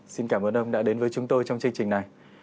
xin cảm ơn ông đã đến với chúng tôi trong chương trình này